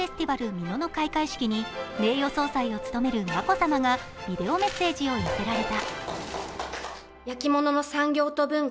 美濃の開会式に名誉総裁を務める眞子さまがビデオメッセージを寄せられた。